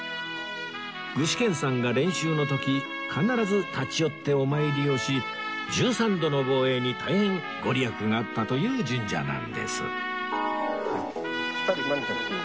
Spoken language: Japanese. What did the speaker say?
具志堅さんが練習の時必ず立ち寄ってお参りをし１３度の防衛に大変ご利益があったという神社なんです